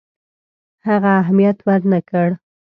هغه اهمیت ورنه کړي.